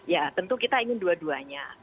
ya tentu kita ingin dua duanya